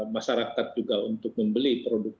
masyarakat juga untuk membeli produk